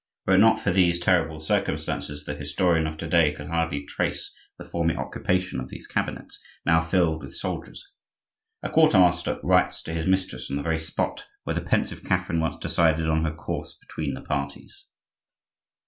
Were it not for these terrible circumstances the historian of to day could hardly trace the former occupation of these cabinets, now filled with soldiers. A quartermaster writes to his mistress on the very spot where the pensive Catherine once decided on her course between the parties.